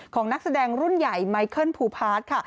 ของนักแสดงรุ่นใหญ่ไมเคิลพูพาร์ต